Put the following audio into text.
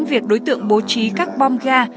việc đối tượng bố trí các bom ga